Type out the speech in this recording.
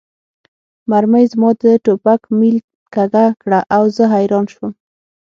مرمۍ زما د ټوپک میل کږه کړه او زه حیران شوم